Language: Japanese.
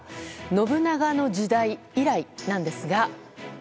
信長の時代以来なんですが。